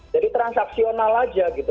jadi transaksional aja gitu